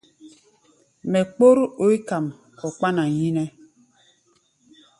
Mɛ kpór oí kam kɔ kpána yínɛ́.